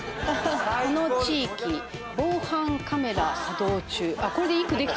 「この地域防犯カメラ作動中」